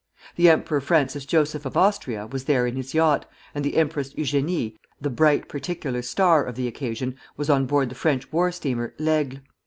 The Emperor Francis Joseph of Austria was there in his yacht, and the Empress Eugénie, the "bright particular star" of the occasion, was on board the French war steamer "L'Aigle."